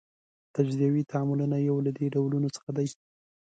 تجزیوي تعاملونه یو له دې ډولونو څخه دي.